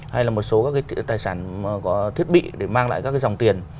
hay là một số các cái tài sản có thiết bị để mang lại các cái dòng tiền